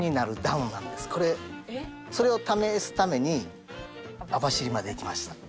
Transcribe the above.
それを試すために網走まで行きました。